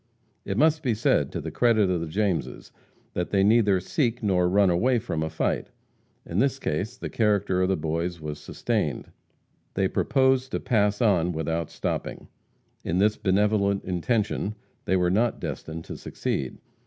It must be said to the credit of the Jameses that they neither seek nor run away from a fight. In this case the character of the boys was sustained. They proposed to pass on without stopping. In this benevolent intention they were not destined to succeed.